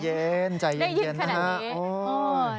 ใจเย็นใจเย็นได้ยินขนาดนี้